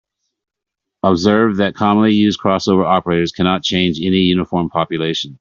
Observe that commonly used crossover operators cannot change any uniform population.